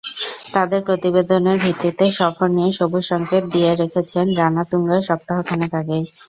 তাঁদের প্রতিবেদনের ভিত্তিতে সফর নিয়ে সবুজসংকেত দিয়ে রেখেছেন রানাতুঙ্গা সপ্তাহ খানেক আগেই।